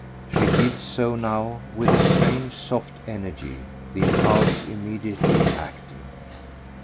She did so now with a strange soft energy the impulse immediately acting.